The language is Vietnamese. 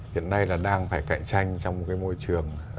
hiện nay là đang phải cạnh tranh trong một cái môi trường